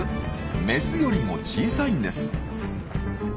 メスよりも小さいんです。